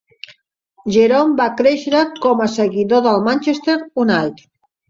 Jerome va créixer com a seguidor del Manchester United.